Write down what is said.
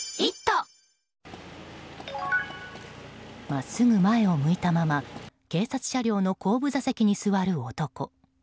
真っすぐ前を向いたまま警察車両の後部座席に座る男。